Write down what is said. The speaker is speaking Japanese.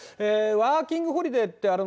ワーキング・ホリデーって何だ